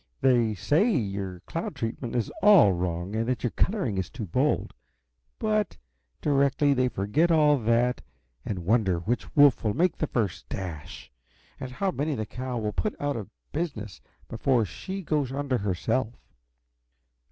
"They say your cloud treatment is all wrong, and that your coloring is too bold but directly they forget all that and wonder which wolf will make the first dash, and how many the cow will put out of business before she goes under herself.